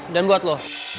dan buat lo